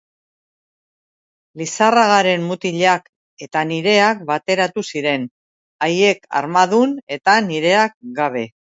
Lizarragaren mutilak eta nireak bateratu ziren, haiek armadun eta nireak gabe.